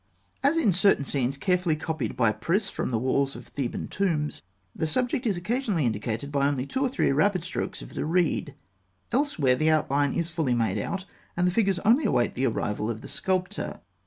As in certain scenes carefully copied by Prisse from the walls of Theban tombs, the subject is occasionally indicated by only two or three rapid strokes of the reed (fig. 178). Elsewhere, the outline is fully made out, and the figures only await the arrival of the sculptor.